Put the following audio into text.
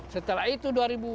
setelah itu dua ribu sembilan